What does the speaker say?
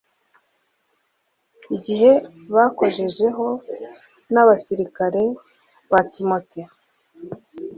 igihe bakojejeho n'abasirikare ba timote